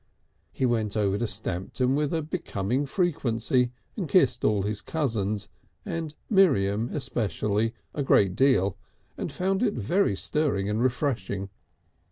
He went over to Stamton with a becoming frequency, and kissed all his cousins, and Miriam especially, a great deal, and found it very stirring and refreshing.